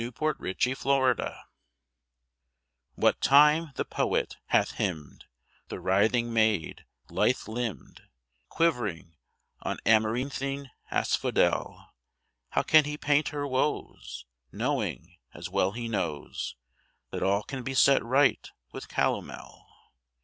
POETRY EVERYWHERE WHAT time the poet hath hymned The writhing maid, lithe limbed, Quivering on amaranthine asphodel, How can he paint her woes, Knowing, as well he knows, That all can be set right with calomel?